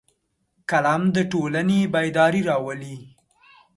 قلم د ټولنې بیداري راولي